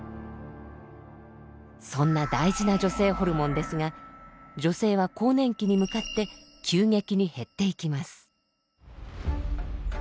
そんな大事な女性ホルモンですが女性は更年期に向かって急激に減っていきます。